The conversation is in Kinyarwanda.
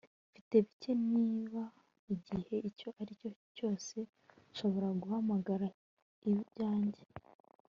Mfite bike niba igihe icyo ari cyo cyose nshobora guhamagara ibyanjye